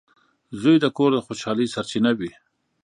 • زوی د کور د خوشحالۍ سرچینه وي.